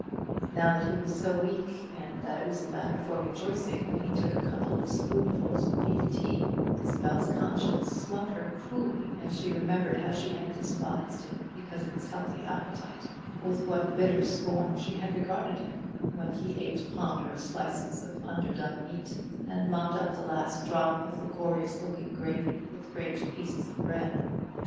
Now that he was so weak, and that it was a matter for rejoicing when he took a couple of spoonfuls of beef tea, Isabel's conscience smote her cruelly as she remembered how she had despised him because of his healthy appetite; with what bitter scorn she had regarded him when he ate ponderous slices of underdone meat, and mopped up the last drop of the goriest looking gravy with great pieces of bread.